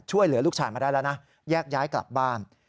ช่วยเหลือลูกชายมาได้แล้วนะแยกย้ายกลับบ้าน